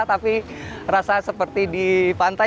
tapi rasanya seperti di pantai